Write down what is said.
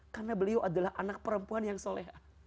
karena beliau adalah anak perempuan yang soleh